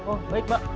oh baik mbak